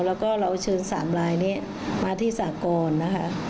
แล้วก็เราเชิญ๓ลายนี้มาที่สากรนะคะ